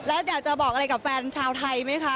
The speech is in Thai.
แล้วอยากจะบอกอะไรกับแฟนชาวไทยไหมคะ